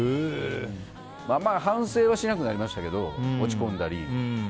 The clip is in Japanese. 反省はしなくなりましたけど落ち込んだり。